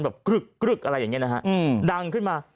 แบบกลึกอะไรอย่างเงี้ยดังขึ้นมา